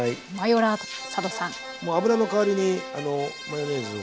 もう油の代わりにマヨネーズを。